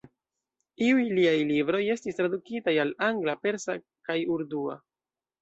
Iuj liaj libroj estis tradukitaj al angla, persa kaj urdua.